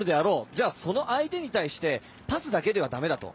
じゃあ、その相手に対してパスだけじゃ駄目だと。